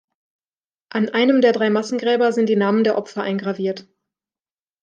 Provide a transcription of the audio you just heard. An einem der drei Massengräber sind die Namen der Opfer eingraviert.